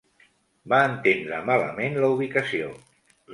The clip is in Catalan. Va entendre malament la ubicació.